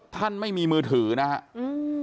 ท่านไม่มีมือถือนะครับ